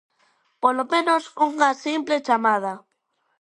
Polo menos unha simple chamada.